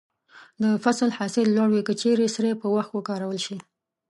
د فصل حاصل لوړوي که چیرې سرې په وخت وکارول شي.